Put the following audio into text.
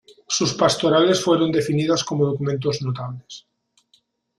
Sus pastorales fueron definidas como documentos notables.